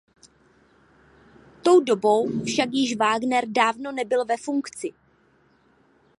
Tou dobou však již Vágner dávno nebyl ve funkci.